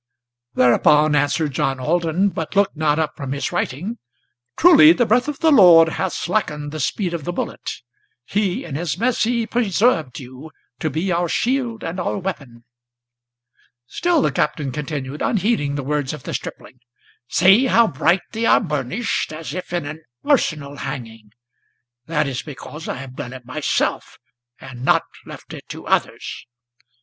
Thereupon answered John Alden, but looked not up from his writing: "Truly the breath of the Lord hath slackened the speed of the bullet; He in his mercy preserved you, to be our shield and our weapon!" Still the Captain continued, unheeding the words of the stripling: "See, how bright they are burnished, as if in an arsenal hanging; That is because I have done it myself, and not left it to others.